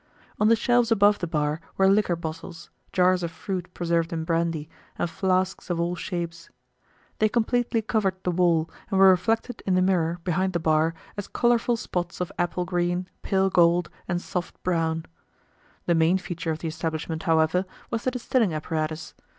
On the shelves above the bar were liquor bottles, jars of fruit preserved in brandy, and flasks of all shapes. They completely covered the wall and were reflected in the mirror behind the bar as colorful spots of apple green, pale gold, and soft brown. The main feature of the establishment, however, was the distilling apparatus.